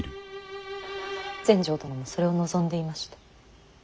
全成殿もそれを望んでいました。